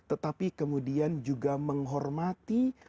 tetapi kemudian juga menghormati